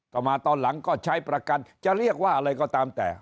ต่อมาตอนหลังก็ใช้ประกันจะเรียกว่าอะไรก็ตามแต่